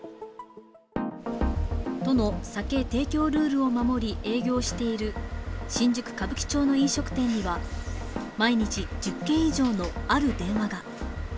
都の酒提供ルールを守り、営業している新宿・歌舞伎町の飲食店には、毎日１０件以上のある電話が。